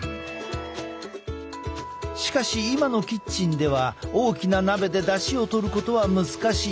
しかし今のキッチンでは大きな鍋でだしを取ることは難しい。